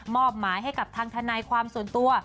อบหมายให้กับทางทนายความส่วนตัว